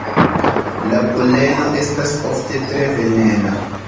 La poleno estas ofte tre venena.